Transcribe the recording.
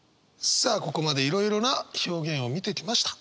さあここまでいろいろな表現を見てきました。